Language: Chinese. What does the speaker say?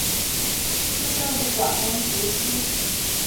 出生于广东揭西。